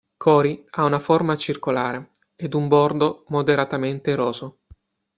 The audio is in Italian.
Cori ha una forma circolare ed un bordo moderatamente eroso.